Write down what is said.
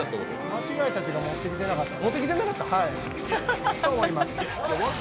間違えたというか、持ってきてなかった。